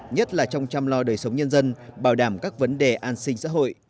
nhất là trong chăm lo đời sống nhân dân bảo đảm các vấn đề an sinh xã hội